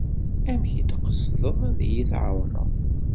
Amek i d-tqesdeḍ ad yi-εawneḍ?